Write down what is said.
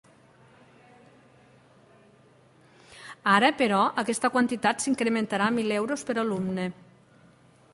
Ara, però, aquesta quantitat s’incrementarà a mil euros per alumne.